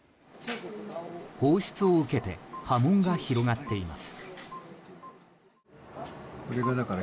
放出を受けて波紋が広がっています。